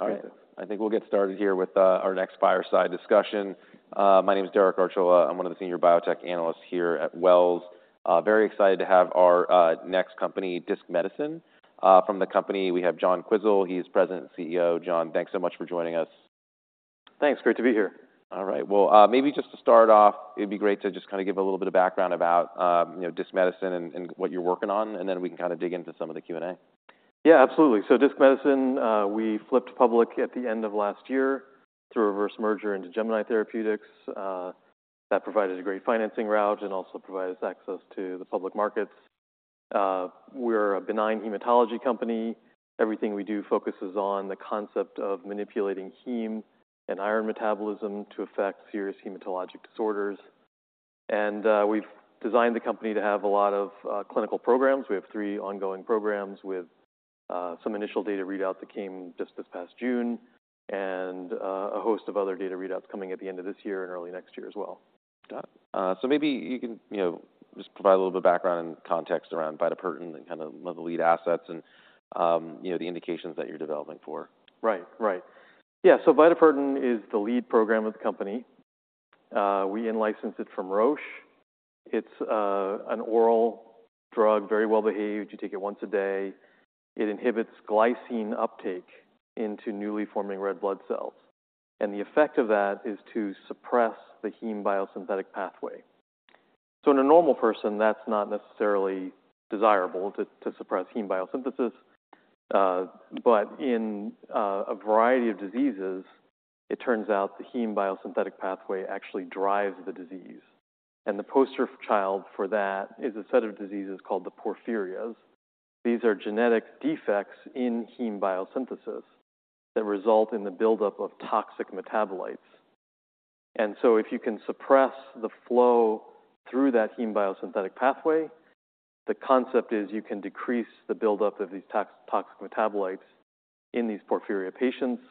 All right, I think we'll get started here with our next buyer-side discussion. My name is Derek Archila. I'm one of the senior biotech analysts here at Wells. Very excited to have our next company, Disc Medicine. From the company, we have John Quisel. He's President and CEO. John, thanks so much for joining us Thanks. Great to be here. All right. Well, maybe just to start off, it'd be great to just kind of give a little bit of background about, you know, Disc Medicine and what you're working on, and then we can kind of dig into some of the Q&A. Yeah, absolutely. So Disc Medicine, we flipped public at the end of last year through a reverse merger into Gemini Therapeutics. That provided a great financing route and also provided us access to the public markets. We're a benign hematology company. Everything we do focuses on the concept of manipulating heme and iron metabolism to affect serious hematologic disorders, and we've designed the company to have a lot of clinical programs. We have three ongoing programs with some initial data readout that came just this past June and a host of other data readouts coming at the end of this year and early next year as well. Got it. So maybe you can, you know, just provide a little bit of background and context around bitopertin and kind of one of the lead assets and, you know, the indications that you're developing for. Right. Right. Yeah, so bitopertin is the lead program of the company. We in-license it from Roche. It's an oral drug, very well-behaved. You take it once a day. It inhibits glycine uptake into newly forming red blood cells, and the effect of that is to suppress the heme biosynthetic pathway. So in a normal person, that's not necessarily desirable to suppress heme biosynthesis, but in a variety of diseases, it turns out the heme biosynthetic pathway actually drives the disease, and the poster child for that is a set of diseases called the porphyrias. These are genetic defects in heme biosynthesis that result in the buildup of toxic metabolites, and so if you can suppress the flow through that heme biosynthetic pathway, the concept is you can decrease the buildup of these toxic metabolites in these porphyria patients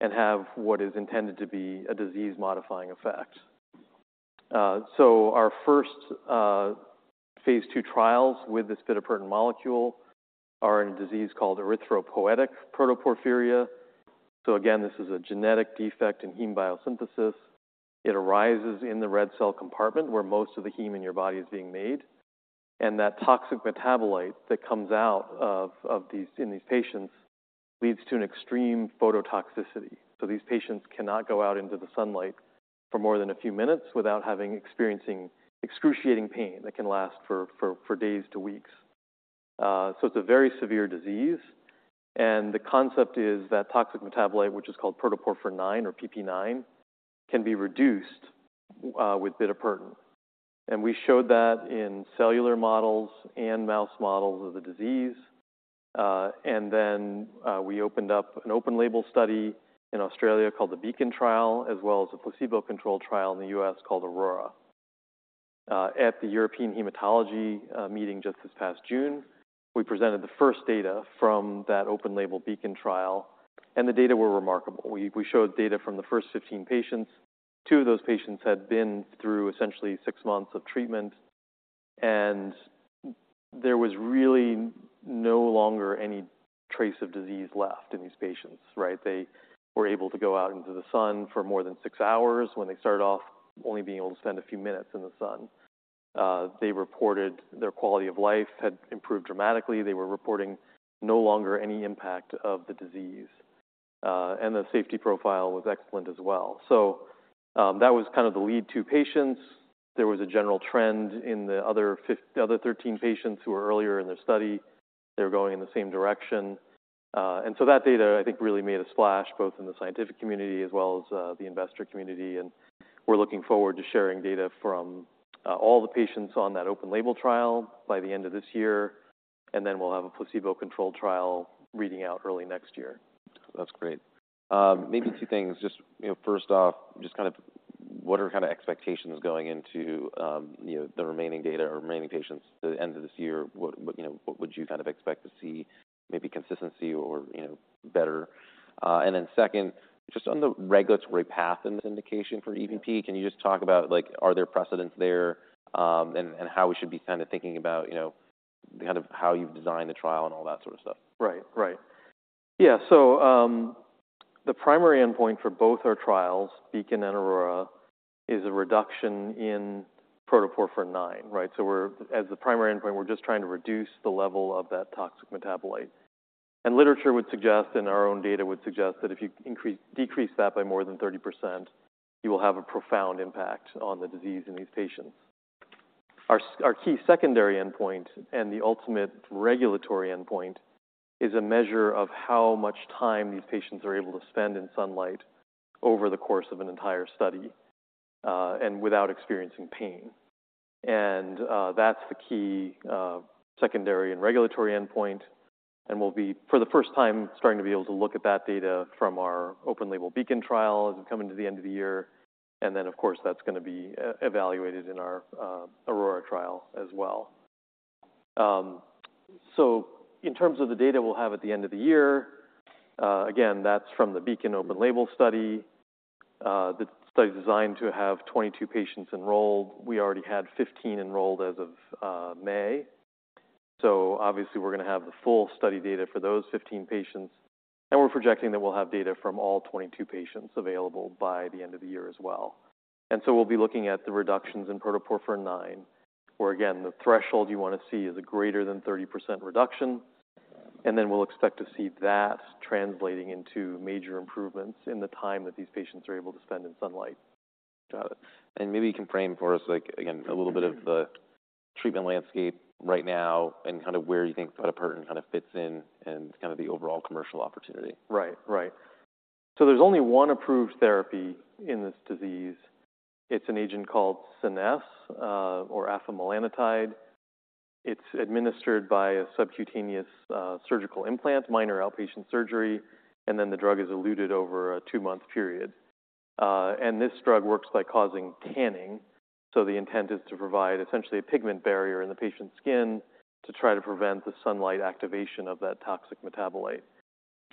and have what is intended to be a disease-modifying effect. So our first phase 2 trials with this bitopertin molecule are in a disease called erythropoietic protoporphyria. So again, this is a genetic defect in heme biosynthesis. It arises in the red cell compartment, where most of the heme in your body is being made, and that toxic metabolite that comes out of these in these patients leads to an extreme phototoxicity. So these patients cannot go out into the sunlight for more than a few minutes without experiencing excruciating pain that can last for days to weeks. So it's a very severe disease, and the concept is that toxic metabolite, which is called protoporphyrin IX, or PPIX, can be reduced with bitopertin. And we showed that in cellular models and mouse models of the disease, and then we opened up an open-label study in Australia called the BEACON trial, as well as a placebo-controlled trial in the U.S. called AURORA. At the European Hematology meeting just this past June, we presented the first data from that open-label BEACON trial, and the data were remarkable. We showed data from the first 15 patients. Two of those patients had been through essentially six months of treatment, and there was really no longer any trace of disease left in these patients, right? They were able to go out into the sun for more than 6 hours when they started off only being able to spend a few minutes in the sun. They reported their quality of life had improved dramatically. They were reporting no longer any impact of the disease, and the safety profile was excellent as well. So, that was kind of the lead two patients. There was a general trend in the other 13 patients who were earlier in their study. They were going in the same direction, and so that data, I think, really made a splash, both in the scientific community as well as, the investor community, and we're looking forward to sharing data from, all the patients on that open-label trial by the end of this year, and then we'll have a placebo-controlled trial reading out early next year. That's great. Maybe two things. Just, you know, first off, just kind of what are kind of expectations going into, you know, the remaining data or remaining patients the end of this year? What, what, you know, what would you kind of expect to see? Maybe consistency or, you know, better. And then second, just on the regulatory path and this indication for EPP, can you just talk about, like, are there precedents there, and, and how we should be kind of thinking about, you know, kind of how you've designed the trial and all that sort of stuff? Right. Right. Yeah, so, the primary endpoint for both our trials, BEACON and AURORA, is a reduction in protoporphyrin IX, right? So we're, as the primary endpoint, we're just trying to reduce the level of that toxic metabolite. Literature would suggest, and our own data would suggest, that if you decrease that by more than 30%, you will have a profound impact on the disease in these patients. Our key secondary endpoint and the ultimate regulatory endpoint is a measure of how much time these patients are able to spend in sunlight over the course of an entire study, and without experiencing pain. And that's the key secondary and regulatory endpoint, and we'll be, for the first time, starting to be able to look at that data from our open-label BEACON trial as we come into the end of the year, and then, of course, that's gonna be evaluated in our AURORA trial as well. So in terms of the data we'll have at the end of the year, again, that's from the BEACON open-label study. The study is designed to have 22 patients enrolled. We already had 15 enrolled as of May. So obviously, we're gonna have the full study data for those 15 patients, and we're projecting that we'll have data from all 22 patients available by the end of the year as well. And so we'll be looking at the reductions in protoporphyrin IX, where, again, the threshold you want to see is a greater than 30% reduction. And then we'll expect to see that translating into major improvements in the time that these patients are able to spend in sunlight. Got it. Maybe you can frame for us, like, again, a little bit of the treatment landscape right now and kind of where you think bitopertin kind of fits in, and kind of the overall commercial opportunity. Right. Right. So there's only one approved therapy in this disease. It's an agent called SCENESSE, or afamelanotide. It's administered by a subcutaneous, surgical implant, minor outpatient surgery, and then the drug is eluted over a two-month period. And this drug works by causing tanning, so the intent is to provide essentially a pigment barrier in the patient's skin to try to prevent the sunlight activation of that toxic metabolite.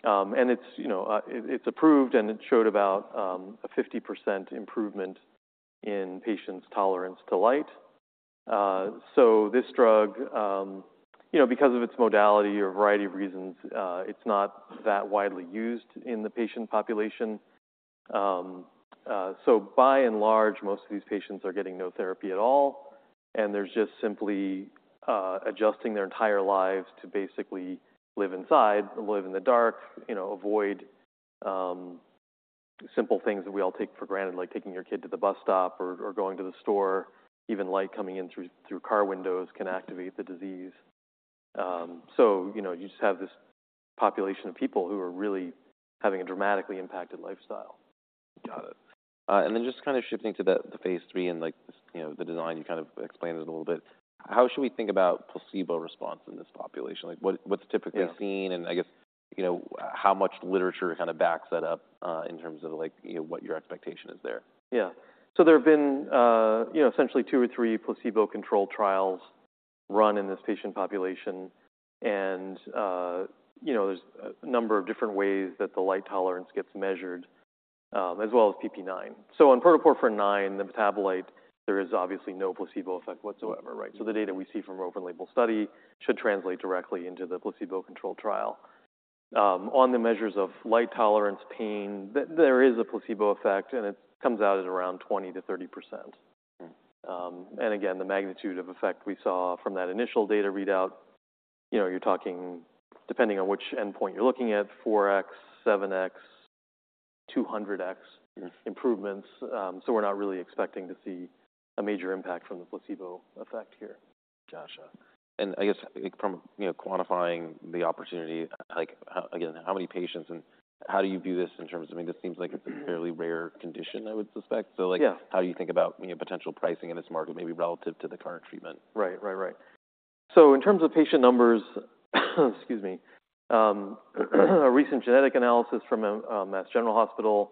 And it's, you know, it, it's approved, and it showed about, a 50% improvement in patients' tolerance to light. So this drug, you know, because of its modality or a variety of reasons, it's not that widely used in the patient population. So by and large, most of these patients are getting no therapy at all, and they're just simply adjusting their entire lives to basically live inside, live in the dark, you know, avoid simple things that we all take for granted, like taking your kid to the bus stop or going to the store. Even light coming in through car windows can activate the disease. So, you know, you just have this population of people who are really having a dramatically impacted lifestyle. Got it. And then just kind of shifting to the phase 3 and, like, you know, the design, you kind of explained it a little bit. How should we think about placebo response in this population? Like, what, what's typically seen, and I guess, you know, how much literature kind of backs that up, in terms of, like, you know, what your expectation is there? Yeah. So there have been, you know, essentially two or three placebo-controlled trials run in this patient population, and, you know, there's a number of different ways that the light tolerance gets measured, as well as PPIX. So on protoporphyrin IX, the metabolite, there is obviously no placebo effect whatsoever, right? So the data we see from our open-label study should translate directly into the placebo-controlled trial. On the measures of light tolerance, pain, there is a placebo effect, and it comes out at around 20%-30%. And again, the magnitude of effect we saw from that initial data readout, you know, you're talking, depending on which endpoint you're looking at, 4x, 7x, 200x improvements. So we're not really expecting to see a major impact from the placebo effect here. Gotcha. I guess, like, from, you know, quantifying the opportunity, like, how, again, how many patients, and how do you view this in terms of. I mean, this seems like it's a fairly rare condition, I would suspect. Yeah. So, like, how you think about, you know, potential pricing in this market, maybe relative to the current treatment? Right. Right. Right. So in terms of patient numbers, excuse me, a recent genetic analysis from Mass General Hospital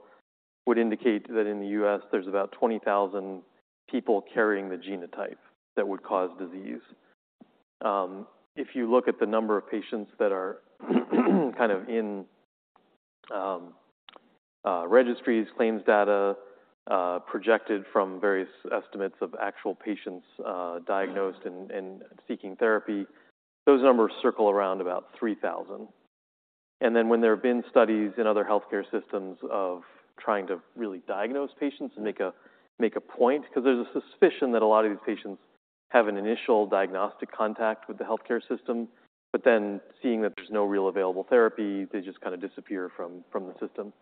would indicate that in the U.S., there's about 20,000 people carrying the genotype that would cause disease. If you look at the number of patients that are kind of in registries, claims data, projected from various estimates of actual patients diagnosed and seeking therapy, those numbers circle around about 3,000. And then when there have been studies in other healthcare systems of trying to really diagnose patients and make a point, 'cause there's a suspicion that a lot of these patients have an initial diagnostic contact with the healthcare system, but then, seeing that there's no real available therapy, they just kind of disappear from the system.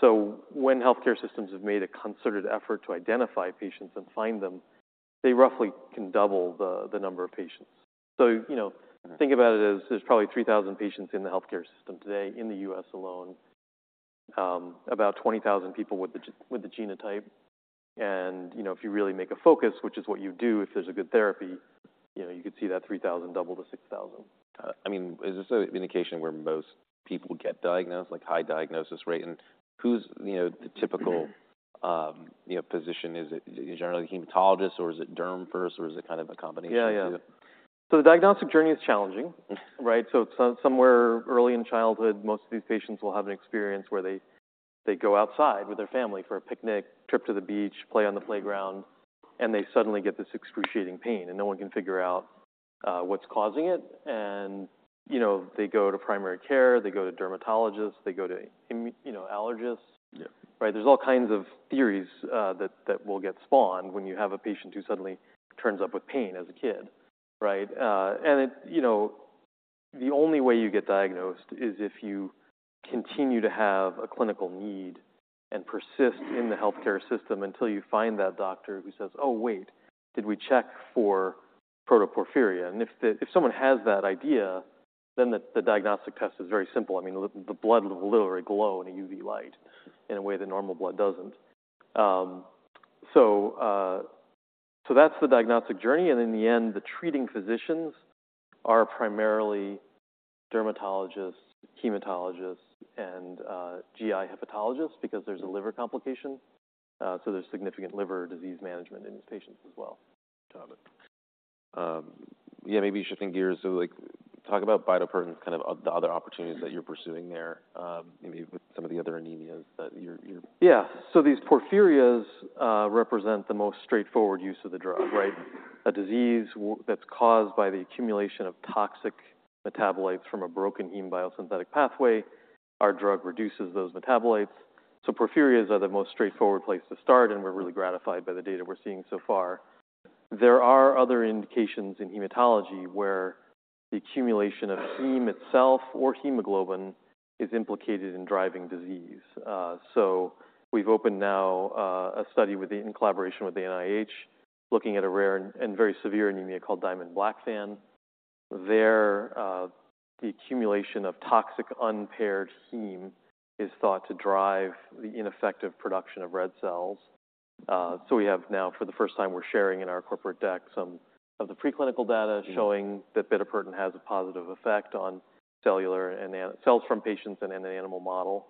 So when healthcare systems have made a concerted effort to identify patients and find them, they roughly can double the number of patients. So, you know, think about it as there's probably 3,000 patients in the healthcare system today in the U.S. alone, about 20,000 people with the genotype. And, you know, if you really make a focus, which is what you do if there's a good therapy, you know, you could see that 3,000 double to 6,000. I mean, is this an indication where most people get diagnosed, like high diagnosis rate? And who's, you know, the typical, you know, physician? Is it generally hematologist, or is it derm first, or is it kind of a combination of the two? Yeah, yeah. So the diagnostic journey is challenging, right? So it's somewhere early in childhood, most of these patients will have an experience where they, they go outside with their family for a picnic, trip to the beach, play on the playground, and they suddenly get this excruciating pain, and no one can figure out what's causing it. And, you know, they go to primary care. They go to dermatologists. They go to you know, allergists. Yeah. Right? There's all kinds of theories that will get spawned when you have a patient who suddenly turns up with pain as a kid, right? And it, you know, the only way you get diagnosed is if you continue to have a clinical need and persist in the healthcare system until you find that doctor who says, "Oh, wait, did we check for protoporphyria?" And if someone has that idea, then the diagnostic test is very simple. I mean, the blood will literally glow in a UV light in a way that normal blood doesn't. So that's the diagnostic journey, and in the end, the treating physicians are primarily dermatologists, hematologists, and GI hepatologists because there's a liver complication. So there's significant liver disease management in these patients as well. Got it. Yeah, maybe you should shift gears to, like. Talk about bitopertin, kind of, of the other opportunities that you're pursuing there, maybe with some of the other anemias that you're. Yeah. So these porphyrias represent the most straightforward use of the drug, right? A disease that's caused by the accumulation of toxic metabolites from a broken heme biosynthetic pathway. Our drug reduces those metabolites, so porphyrias are the most straightforward place to start, and we're really gratified by the data we're seeing so far. There are other indications in hematology, where the accumulation of heme itself or hemoglobin is implicated in driving disease. So we've opened now a study in collaboration with the NIH, looking at a rare and very severe anemia called Diamond-Blackfan. There, the accumulation of toxic, unpaired heme is thought to drive the ineffective production of red cells. So we have now, for the first time, we're sharing in our corporate deck some of the preclinical data. Showing that bitopertin has a positive effect on cellular and animal cells from patients and in an animal model.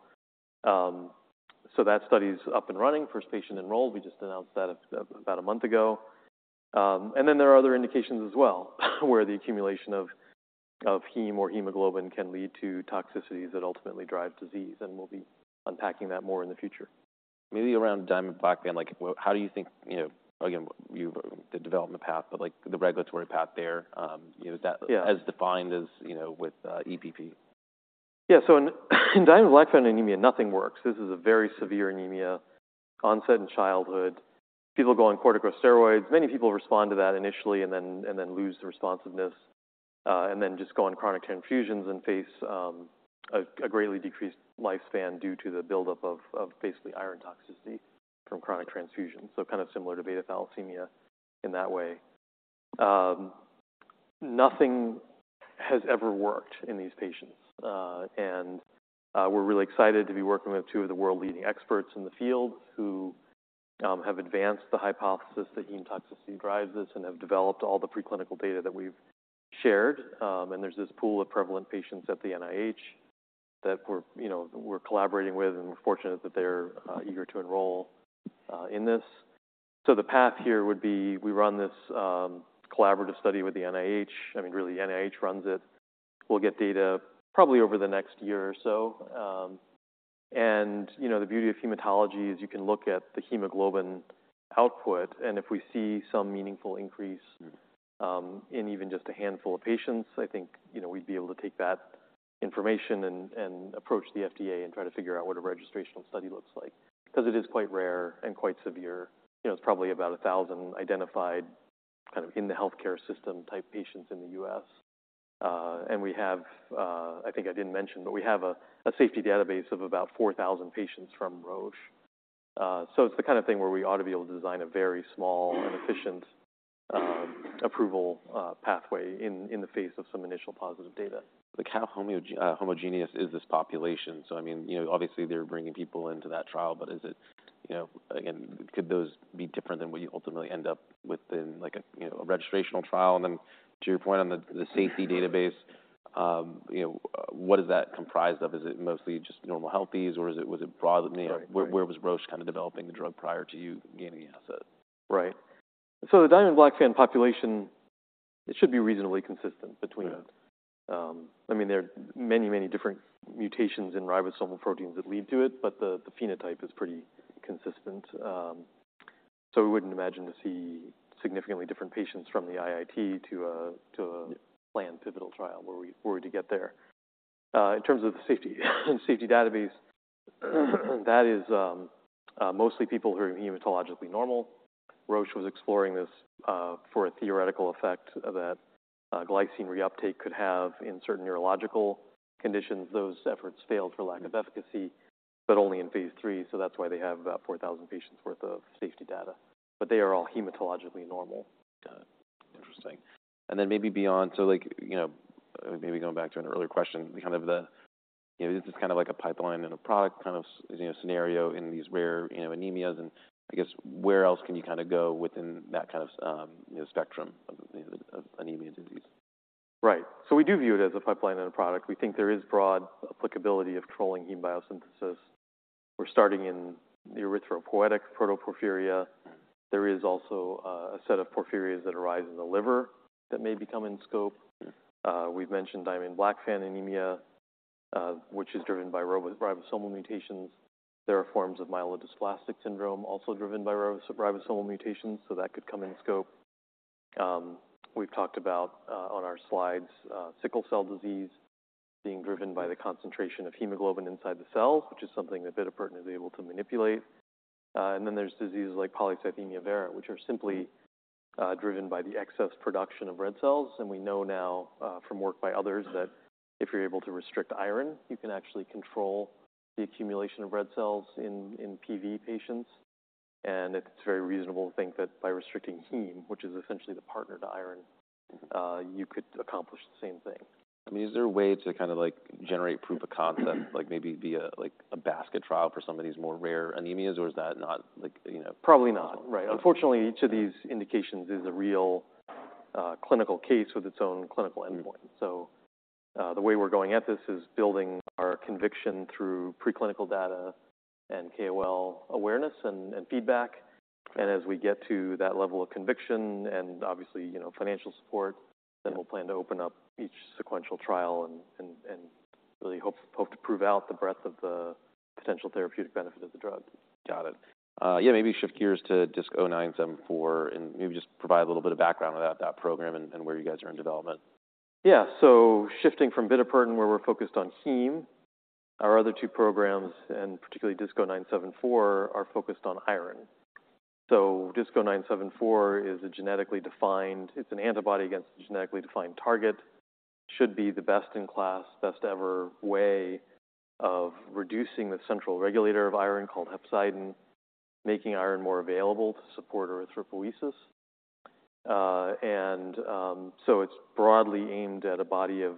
So that study is up and running. First patient enrolled, we just announced that about a month ago. And then there are other indications as well, where the accumulation of, of heme or hemoglobin can lead to toxicities that ultimately drive disease, and we'll be unpacking that more in the future. Maybe around Diamond-Blackfan, like, how do you think, you know, again, you've the development path, but, like, the regulatory path there? You know, is that. Yeah. As defined as, you know, with EPP? Yeah. So in Diamond-Blackfan anemia, nothing works. This is a very severe anemia, onset in childhood. People go on corticosteroids. Many people respond to that initially and then lose the responsiveness, and then just go on chronic transfusions and face a greatly decreased lifespan due to the buildup of basically iron toxicity from chronic transfusion. So kind of similar to β-thalassemia in that way. Nothing has ever worked in these patients, and we're really excited to be working with two of the world-leading experts in the field, who have advanced the hypothesis that heme toxicity drives this and have developed all the preclinical data that we've shared. And there's this pool of prevalent patients at the NIH that we're, you know, we're collaborating with, and we're fortunate that they're eager to enroll in this. So the path here would be, we run this collaborative study with the NIH. I mean, really, NIH runs it. We'll get data probably over the next year or so. And, you know, the beauty of hematology is you can look at the hemoglobin output, and if we see some meaningful increase in even just a handful of patients, I think, you know, we'd be able to take that information and approach the FDA and try to figure out what a registrational study looks like. 'Cause it is quite rare and quite severe. You know, it's probably about 1,000 identified, kind of, in the healthcare system type patients in the U.S. And we have, I think I didn't mention, but we have a safety database of about 4,000 patients from Roche. So it's the kind of thing where we ought to be able to design a very small and efficient approval pathway in the face of some initial positive data. Like, how homogeneous is this population? So, I mean, you know, obviously, they're bringing people into that trial, but is it, you know. Again, could those be different than what you ultimately end up with in, like, a, you know, a registration trial? And then, to your point on the, the safety database, you know, what is that comprised of? Is it mostly just normal healthies, or is it, was it broad? Right. Where was Roche kind of developing the drug prior to you gaining the asset? Right. So the Diamond-Blackfan population, it should be reasonably consistent between. Yeah. I mean, there are many, many different mutations in ribosomal proteins that lead to it, but the phenotype is pretty consistent. So we wouldn't imagine to see significantly different patients from the IIT to a planned pivotal trial where we were to get there. In terms of the safety, safety database, that is, mostly people who are hematologically normal. Roche was exploring this, for a theoretical effect that, glycine reuptake could have in certain neurological conditions. Those efforts failed for lack of efficacy, but only in phase 3, so that's why they have about 4,000 patients worth of safety data. But they are all hematologically normal. Got it. Interesting. Then maybe beyond, so like, you know, maybe going back to an earlier question, kind of the, you know, this is kind of like a pipeline and a product kind of, you know, scenario in these rare, you know, anemias, and I guess, where else can you kind of go within that kind of, you know, spectrum of anemia disease? Right. So we do view it as a pipeline and a product. We think there is broad applicability of controlling heme biosynthesis. We're starting in the erythropoietic protoporphyria. There is also a set of porphyrias that arise in the liver that may become in scope. We've mentioned Diamond-Blackfan anemia, which is driven by ribosomal mutations. There are forms of myelodysplastic syndrome, also driven by ribosomal mutations, so that could come in scope. We've talked about, on our slides, sickle cell disease being driven by the concentration of hemoglobin inside the cell, which is something that bitopertin is able to manipulate. And then there's diseases like polycythemia vera, which are simply driven by the excess production of red cells, and we know now, from work by others, that if you're able to restrict iron, you can actually control the accumulation of red cells in PV patients. And it's very reasonable to think that by restricting heme, which is essentially the partner to iron you could accomplish the same thing. I mean, is there a way to kind of, like, generate proof of concept, like maybe via, like, a basket trial for some of these more rare anemias, or is that not like, you know? Probably not. Right. Unfortunately, each of these indications is a real, clinical case with its own clinical endpoint. So, the way we're going at this is building our conviction through preclinical data and KOLs awareness and feedback. As we get to that level of conviction and obviously, you know, financial support, then we'll plan to open up each sequential trial and really hope to prove out the breadth of the potential therapeutic benefit of the drug. Got it. Yeah, maybe shift gears to just DISC-0974, and maybe just provide a little bit of background about that program and, and where you guys are in development. Yeah. So shifting from bitopertin, where we're focused on heme, our other two programs, and particularly DISC-0974, are focused on iron. So DISC-0974 is a genetically defined—it's an antibody against a genetically defined target. Should be the best in class, best ever way of reducing the central regulator of iron, called hepcidin, making iron more available to support erythropoiesis. And so it's broadly aimed at a body of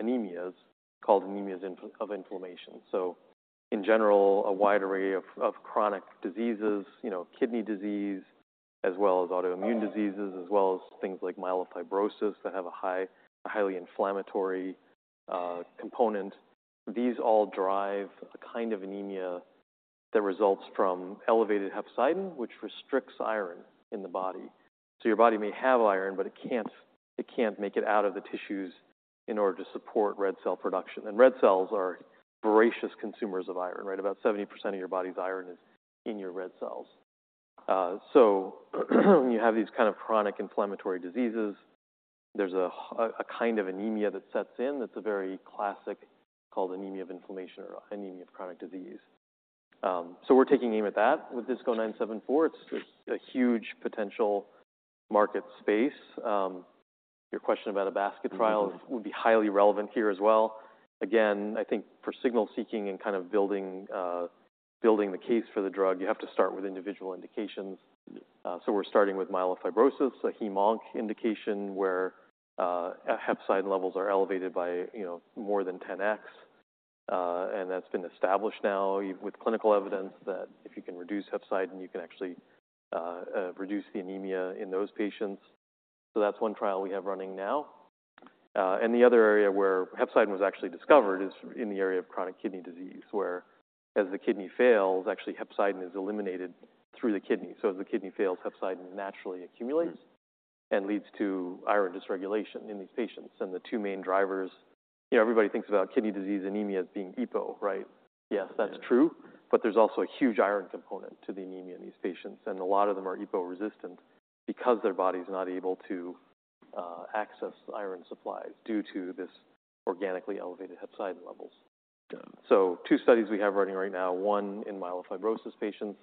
anemias, called anemia of inflammation. So in general, a wide array of chronic diseases, you know, kidney disease, as well as autoimmune diseases, as well as things like myelofibrosis that have a high, highly inflammatory component. These all drive the kind of anemia that results from elevated hepcidin, which restricts iron in the body. Your body may have iron, but it can't, it can't make it out of the tissues in order to support red cell production. And red cells are voracious consumers of iron, right? About 70% of your body's iron is in your red cells. So, when you have these kind of chronic inflammatory diseases, there's a kind of anemia that sets in that's a very classic, called anemia of inflammation or anemia of chronic disease. So we're taking aim at that with DISC-0974. It's, it's a huge potential market space. Your question about a basket trial would be highly relevant here as well. Again, I think for signal seeking and kind of building, building the case for the drug, you have to start with individual indications. So we're starting with myelofibrosis, a heme-onc indication, where hepcidin levels are elevated by, you know, more than 10x. And that's been established now with clinical evidence that if you can reduce hepcidin, you can actually reduce the anemia in those patients. So that's one trial we have running now. And the other area where hepcidin was actually discovered is in the area of chronic kidney disease, whereas the kidney fails, actually, hepcidin is eliminated through the kidney. So as the kidney fails, hepcidin naturally accumulates and leads to iron dysregulation in these patients. And the two main drivers, you know, everybody thinks about kidney disease anemia as being EPO, right? Yes, that's true. But there's also a huge iron component to the anemia in these patients, and a lot of them are EPO resistant because their body's not able to access iron supplies due to this organically elevated hepcidin levels. Got it. Two studies we have running right now, one in myelofibrosis patients,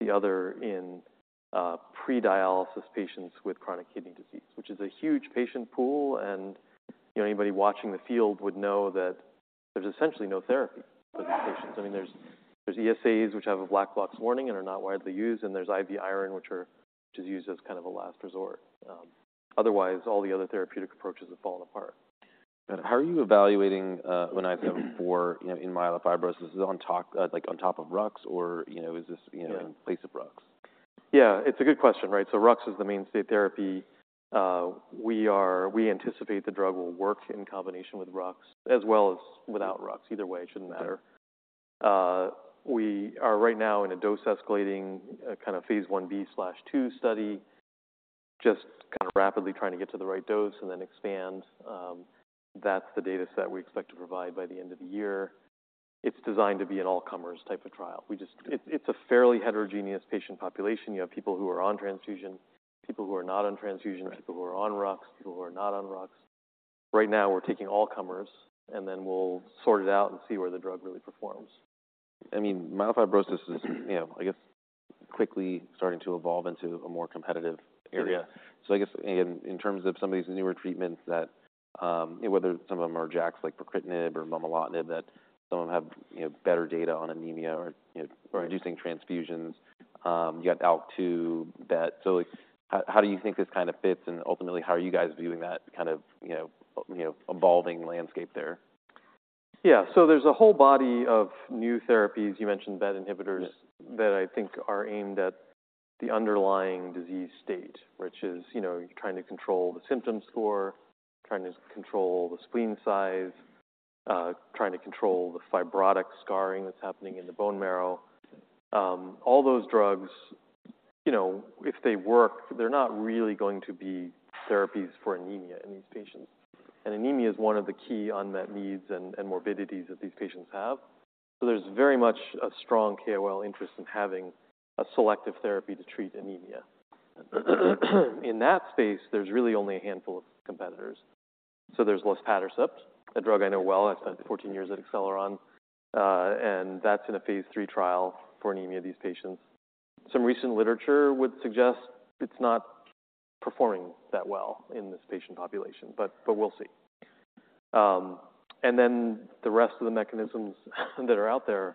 the other in pre-dialysis patients with chronic kidney disease, which is a huge patient pool. You know, anybody watching the field would know that there's essentially no therapy for these patients. I mean, there's ESAs, which have a black box warning and are not widely used, and there's IV iron, which are just used as kind of a last resort. Otherwise, all the other therapeutic approaches have fallen apart. How are you evaluating, when I've done before, you know, in myelofibrosis, is it on top, like, on top of Rux or, you know, is this, you know, in place of Rux? Yeah, it's a good question, right? So Rux is the mainstay therapy. We anticipate the drug will work in combination with Rux as well as without Rux. Either way, it shouldn't matter. Okay. We are right now in a dose-escalating kind of phase 1b/2 study, just kind of rapidly trying to get to the right dose and then expand. That's the data set we expect to provide by the end of the year. It's designed to be an all-comers type of trial. It's a fairly heterogeneous patient population. You have people who are on transfusion, people who are not on transfusion. People who are on Rux, people who are not on Rux. Right now, we're taking all comers, and then we'll sort it out and see where the drug really performs. I mean, myelofibrosis is, you know, I guess, quickly starting to evolve into a more competitive area. So I guess in terms of some of these newer treatments that, you know, whether some of them are JAKs, like pacritinib or momelotinib, that some of them have, you know, better data on anemia or, you know, or reducing transfusions. You got ALK2 that. So, like, how do you think this kind of fits? And ultimately, how are you guys viewing that kind of, you know, evolving landscape there? Yeah. So there's a whole body of new therapies, you mentioned BET inhibitors that I think are aimed at the underlying disease state, which is, you know, you're trying to control the symptom score, trying to control the spleen size, trying to control the fibrotic scarring that's happening in the bone marrow. All those drugs, you know, if they work, they're not really going to be therapies for anemia in these patients. And anemia is one of the key unmet needs and morbidities that these patients have. So there's very much a strong KOLs interest in having a selective therapy to treat anemia. In that space, there's really only a handful of competitors. So there's luspatercept, a drug I know well. I spent 14 years at Acceleron, and that's in a phase 3 trial for anemia of these patients. Some recent literature would suggest it's not performing that well in this patient population, but we'll see. And then the rest of the mechanisms that are out there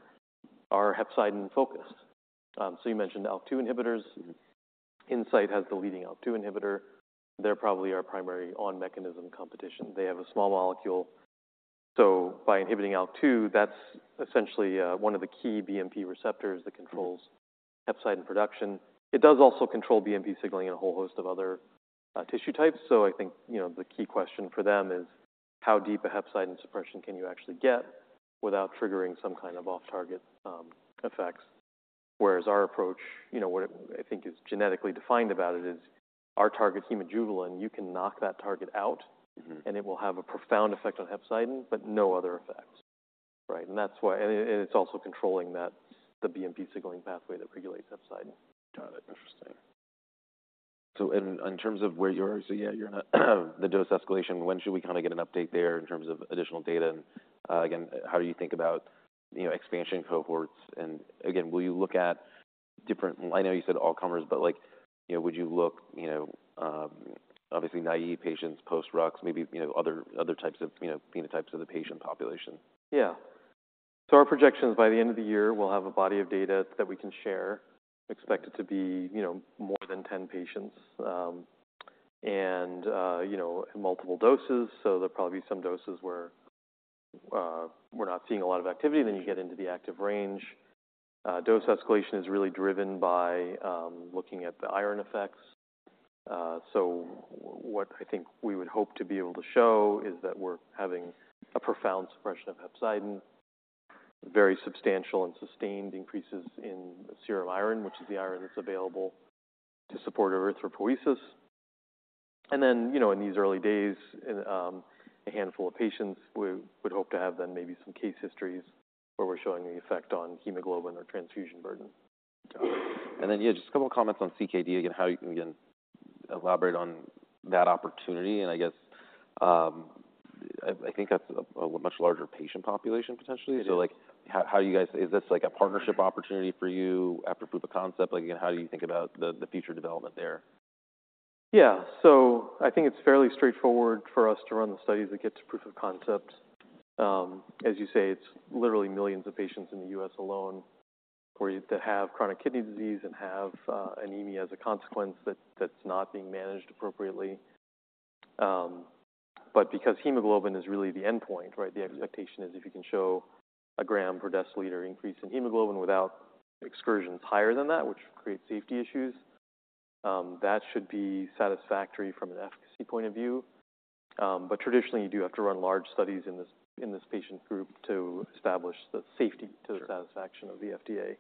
are hepcidin-focused. So you mentioned ALK2 inhibitors. Incyte has the leading ALK2 inhibitor. They're probably our primary on-mechanism competition. They have a small molecule. So by inhibiting ALK2, that's essentially one of the key BMP receptors that controls hepcidin production. It does also control BMP signaling in a whole host of other tissue types. So I think, you know, the key question for them is how deep a hepcidin suppression can you actually get without triggering some kind of off-target effects? Whereas our approach, you know, what I think is genetically defined about it is our target, hemojuvelin, you can knock that target out. And it will have a profound effect on hepcidin, but no other effects. Right, and that's why and it's also controlling that, the BMP signaling pathway that regulates hepcidin. Got it. Interesting. So in terms of where you are, so yeah, you're not the dose escalation, when should we kind of get an update there in terms of additional data? And again, how do you think about, you know, expansion cohorts? And again, will you look at different— I know you said all comers, but like, you know, would you look, you know, obviously, naive patients, post-Rux, maybe, you know, other types of, you know, phenotypes of the patient population? Yeah. So our projections, by the end of the year, we'll have a body of data that we can share, expected to be, you know, more than 10 patients, and, you know, multiple doses. So there'll probably be some doses where, we're not seeing a lot of activity, then you get into the active range. Dose escalation is really driven by, looking at the iron effects. So what I think we would hope to be able to show is that we're having a profound suppression of hepcidin, very substantial and sustained increases in serum iron, which is the iron that's available to support erythropoiesis. And then, you know, in these early days, and, a handful of patients, we would hope to have then maybe some case histories where we're showing the effect on hemoglobin or transfusion burden. Got it. And then, yeah, just a couple of comments on CKD, again, how you can, again, elaborate on that opportunity. And I guess, I think that's a much larger patient population, potentially. So, like, how are you guys. Is this, like, a partnership opportunity for you after proof of concept? Like, again, how do you think about the future development there? Yeah. So I think it's fairly straightforward for us to run the studies that get to proof of concept. As you say, it's literally millions of patients in the U.S. alone, that have chronic kidney disease and have anemia as a consequence that's not being managed appropriately. But because hemoglobin is really the endpoint, right? The expectation is if you can show a gram per deciliter increase in hemoglobin without excursions higher than that, which creates safety issues, that should be satisfactory from an efficacy point of view. But traditionally, you do have to run large studies in this patient group to establish the safety to the satisfaction of the FDA.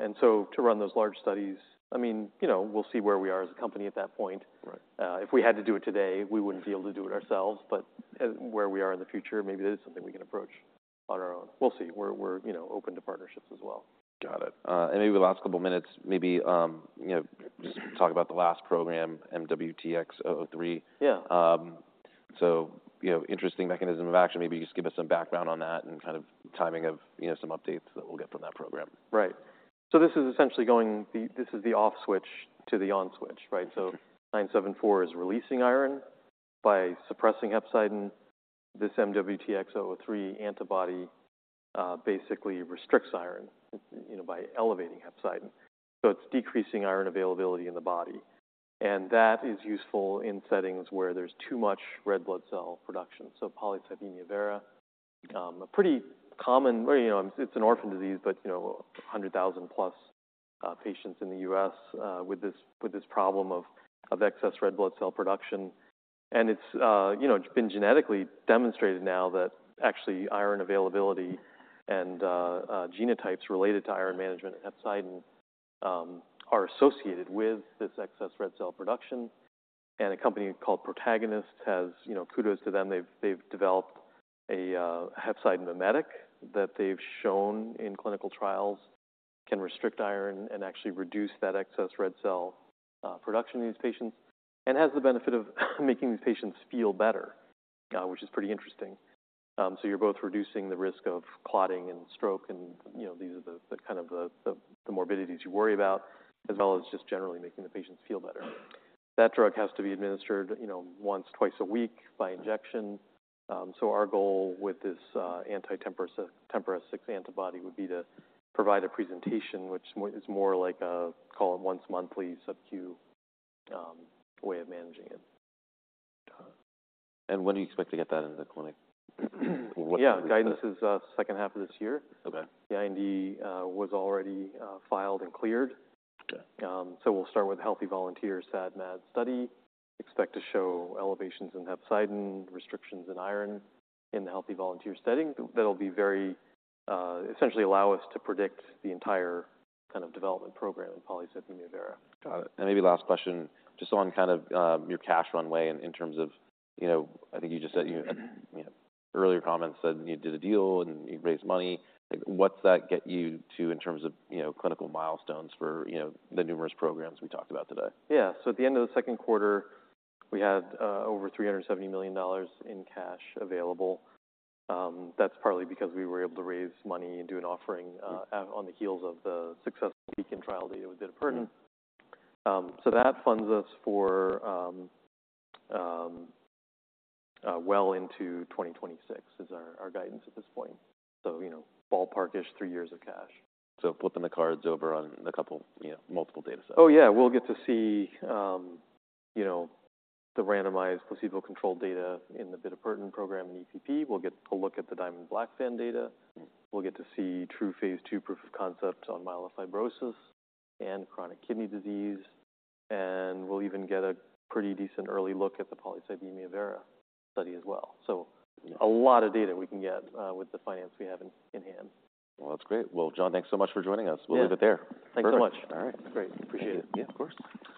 And so to run those large studies, I mean, you know, we'll see where we are as a company at that point. Right. If we had to do it today, we wouldn't be able to do it ourselves. But where we are in the future, maybe that is something we can approach on our own. We'll see. We're, you know, open to partnerships as well. Got it. Maybe the last couple of minutes, maybe, you know, just talk about the last program, MWTX-003. Yeah. So, you know, interesting mechanism of action. Maybe just give us some background on that and kind of timing of, you know, some updates that we'll get from that program. Right. So this is essentially going, this is the off switch to the on switch, right? Sure. DISC-0974 is releasing iron by suppressing hepcidin. This MWTX-003 antibody basically restricts iron, you know, by elevating hepcidin. So it's decreasing iron availability in the body, and that is useful in settings where there's too much red blood cell production. So polycythemia vera, a pretty common, well, you know, it's an orphan disease, but, you know, 100,000+ patients in the U.S. with this problem of excess red blood cell production. And it's, you know, been genetically demonstrated now that actually iron availability and genotypes related to iron management and hepcidin are associated with this excess red cell production. And a company called Protagonist has, you know, kudos to them. They've developed a hepcidin mimetic that they've shown in clinical trials can restrict iron and actually reduce that excess red cell production in these patients, and has the benefit of making these patients feel better, which is pretty interesting. So you're both reducing the risk of clotting and stroke, and you know, these are the kind of morbidities you worry about, as well as just generally making the patients feel better. That drug has to be administered, you know, once, twice a week by injection. So our goal with this anti-TMPRSS6 antibody would be to provide a presentation, which is more like a, call it, once-monthly subq way of managing it. Got it. And when do you expect to get that into the clinic? Yeah. Guidance is second half of this year. Okay. The IND was already filed and cleared. Okay. We'll start with healthy volunteers, SAD/MAD study. Expect to show elevations in hepcidin, restrictions in iron in the healthy volunteer setting. That'll be very. Essentially allow us to predict the entire kind of development program in polycythemia vera. Got it. Maybe last question, just on kind of, your cash runway and in terms of, you know, I think you just said, you know, earlier comments that you did a deal and you raised money. Like, what's that get you to in terms of, you know, clinical milestones for, you know, the numerous programs we talked about today? Yeah. So at the end of the second quarter, we had over $370 million in cash available. That's partly because we were able to raise money and do an offering at on the heels of the successful BEACON trial data with bitopertin. Yeah. So that funds us for, well into 2026 is our guidance at this point. So, you know, ballpark-ish, three years of cash. So flipping the cards over on a couple, you know, multiple datasets. Oh, yeah, we'll get to see, you know, the randomized placebo-controlled data in the bitopertin program in EPP. We'll get to look at the Diamond-Blackfan data. We'll get to see true phase 2 proof of concept on myelofibrosis and chronic kidney disease, and we'll even get a pretty decent early look at the polycythemia vera study as well. Yeah. So a lot of data we can get with the financing we have in hand. Well, that's great. Well, John, thanks so much for joining us. Yeah. We'll leave it there. Thanks so much. Perfect. All right. Great. Appreciate it. Yeah, of course.